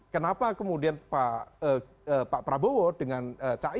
kenapa kemudian pak prabowo dengan cak imin